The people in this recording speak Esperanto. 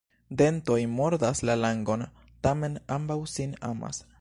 Dentoj mordas la langon, tamen ambaŭ sin amas.